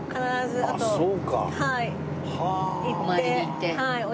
お参りに行って。